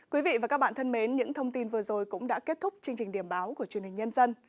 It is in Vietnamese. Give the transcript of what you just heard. quý vị và các bạn thân mến những thông tin vừa rồi cũng đã kết thúc chương trình điểm báo của truyền hình nhân dân